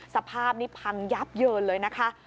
สภาพนี้พังยับเยินเลยนะคะ